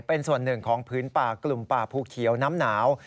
เป็นส่วนหนึ่งของพื้นป่ากลุ่มป่าภูเขียวน้ำหนาว